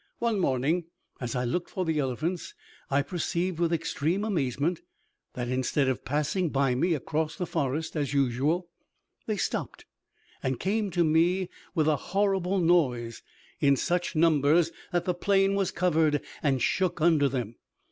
One morning, as I looked for the elephants, I perceived with extreme amazement that, instead of passing by me across the forest as usual, they stopped, and came to me with a horrible noise, in such numbers that the plain was covered and shook under them.